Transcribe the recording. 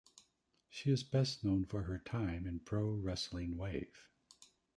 She is best known for her time in Pro Wrestling Wave.